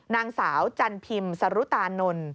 นางสาวจันพิมพ์สรุตานนท์